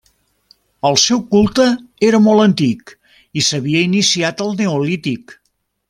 El seu culte, era molt antic, i s'havia iniciat al neolític.